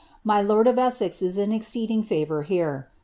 My lord of Essex is ill exceeding favour here.